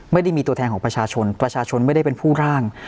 ไม่ได้มีตัวแทนของประชาชนประชาชนไม่ได้เป็นผู้ร่าง